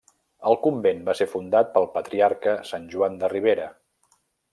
El convent va ser fundat pel patriarca Sant Joan de Ribera.